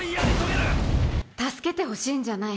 助けてほしいんじゃない。